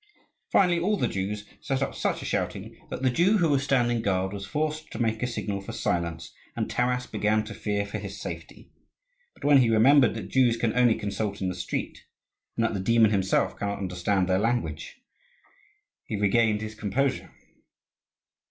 Finally all the Jews set up such a shouting that the Jew who was standing guard was forced to make a signal for silence, and Taras began to fear for his safety; but when he remembered that Jews can only consult in the street, and that the demon himself cannot understand their language, he regained his composure.